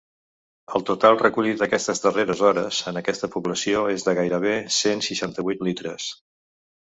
El total recollit aquestes darreres hores en aquesta població és de gairebé cent seixanta-vuit litres.